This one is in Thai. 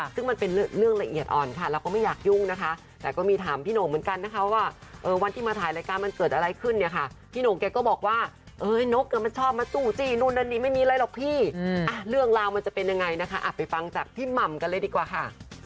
ซึ่งมันเป็นเรื่องละเอียดอ่อนค่ะเราก็ไม่อยากยุ่งนะคะแต่ก็มีถามพี่หน่งเหมือนกันนะคะว่าวันที่มาถ่ายรายการมันเกิดอะไรขึ้นเนี่ยค่ะพี่หน่งแกก็บอกว่านกมันชอบมาสู้จี้นู่นนั่นนี่ไม่มีอะไรหรอกพี่เรื่องราวมันจะเป็นยังไงนะคะไปฟังจากพี่หม่ำกันเลยดีกว่าค่ะ